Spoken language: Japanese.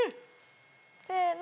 せの。